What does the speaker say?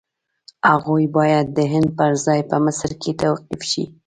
هغوی باید د هند پر ځای په مصر کې توقیف شي.